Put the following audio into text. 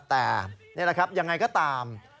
แต่นี่แหละครับยังไงก็ตาม